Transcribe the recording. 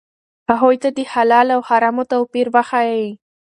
هغوی ته د حلال او حرامو توپیر وښایئ.